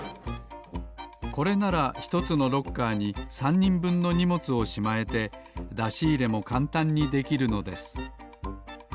これなら１つのロッカーに３にんぶんのにもつをしまえてだしいれもかんたんにできるのです。